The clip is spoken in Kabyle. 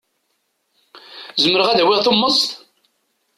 Zemreɣ ad awiɣ tummeẓt?